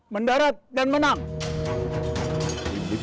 mendarat dan menang